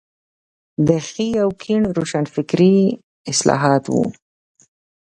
د ښي او کيڼ روښانفکري اصطلاحات وو.